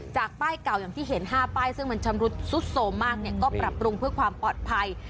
ป้ายเก่าอย่างที่เห็น๕ป้ายซึ่งมันชำรุดสุดโสมมากก็ปรับปรุงเพื่อความปลอดภัย